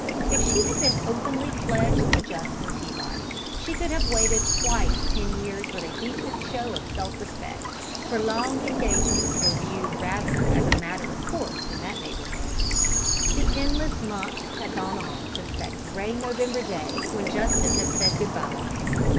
If she had been openly pledged to Justin Peabody, she could have waited twice ten years with a decent show of self respect, for long engagements were viewed rather as a matter of course in that neighbourhood. The endless months had gone on since that grey November day when Justin had said good bye.